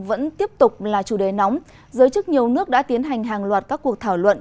vẫn tiếp tục là chủ đề nóng giới chức nhiều nước đã tiến hành hàng loạt các cuộc thảo luận